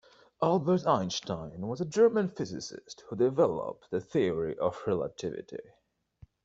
Albert Einstein was a German physicist who developed the Theory of Relativity.